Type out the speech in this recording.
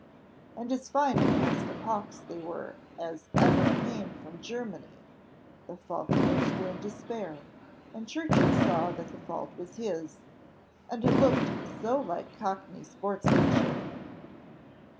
"And as fine a caste of hawks they were as ever came from Germany!" the falconers were in despair, and Churchill saw that the fault was his; and it looked so like cockney sportsmanship!